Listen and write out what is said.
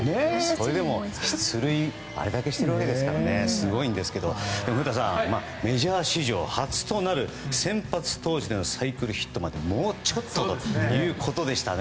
それでも出塁をあれだけしているわけですからすごいんですけど古田さん、メジャー史上初となる先発投手でのサイクルヒットまでもうちょっとでしたね。